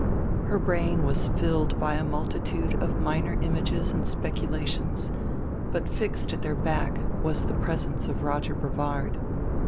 Her brain was filled by a multitude of minor images and speculations, but fixed at their back was the presence of Roger Brevard.